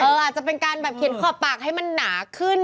อาจจะเป็นการแบบเขียนขอบปากให้มันหนาขึ้น